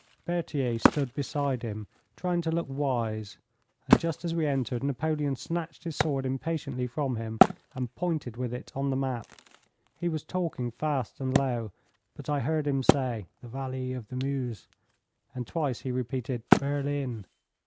Berthier stood beside him, trying to look wise, and just as we entered, Napoleon snatched his sword impatiently from him and pointed with it on the map. He was talking fast and low, but I heard him say, 'The valley of the Meuse,' and twice he repeated 'Berlin.'